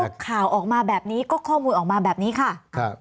พอข่าวออกมาแบบนี้ก็ข้อมูลออกมาแบบนี้ค่ะครับ